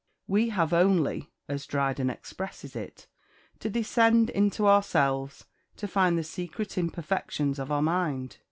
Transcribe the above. We have only, as Dryden expresses it, to descend into ourselves to find the secret imperfections of our mind.